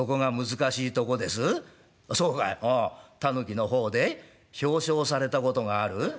『狸の方で表彰されたことがある』？